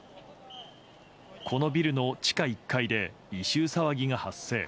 このビルの地下１階で異臭騒ぎが発生。